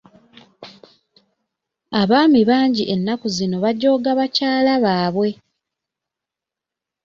Abaami bangi ennaku zino bajooga bakyala baabwe.